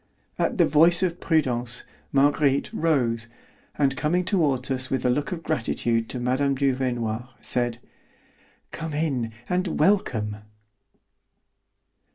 At the voice of Prudence, Marguerite rose, and coming toward us with a look of gratitude to Mme. Duvernoy, said: "Come in, and welcome."